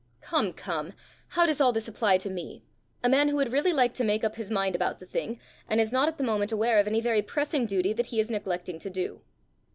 "Come, come! how does all this apply to me a man who would really like to make up his mind about the thing, and is not at the moment aware of any very pressing duty that he is neglecting to do?"